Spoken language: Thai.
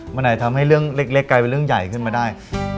มันอาจทำให้เรื่องเล็กกลายเป็นเรื่องใหญ่ขึ้นมาได้